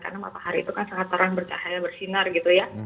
karena matahari itu kan sangat terang bercahaya bersinar gitu ya